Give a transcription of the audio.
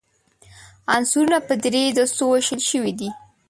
عنصرونه په درې دستو ویشل شوي دي.